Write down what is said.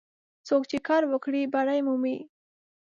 څوک چې کار وکړي، بری مومي.